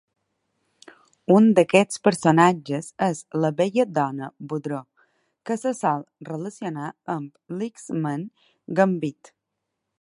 Un d'aquests personatges és la Bella Donna Boudreaux, que se sol relacionar amb l'X-man Gambit.